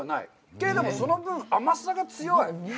けれども、その分、甘さが強い。